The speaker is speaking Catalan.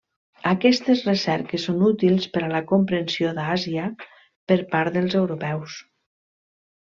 Aquestes recerques són útils per a la comprensió d'Àsia per part dels europeus.